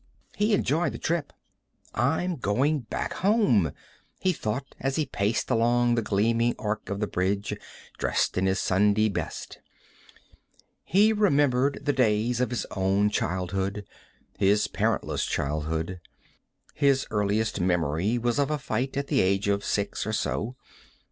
He enjoyed the trip. I'm going back home, he thought as he paced along the gleaming arc of the bridge, dressed in his Sunday best. He remembered the days of his own childhood, his parentless childhood. His earliest memory was of a fight at the age of six or so.